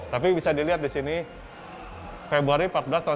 tapi bisa dilihat di sini februari empat belas tahun sembilan puluh michael jordan